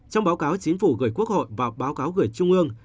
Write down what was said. trong báo cáo chính phủ gửi quốc hội và báo cáo gửi trung ương